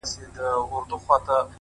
زما د زما د يار راته خبري کوه _